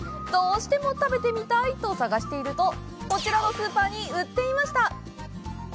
どうしても食べてみたいと探していると、こちらのスーパーに売っていました！